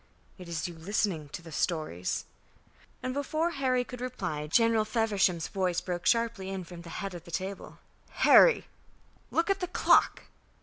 It is you listening to the stories." And before Harry could reply, General Feversham's voice broke sharply in from the head of the table: "Harry, look at the clock!"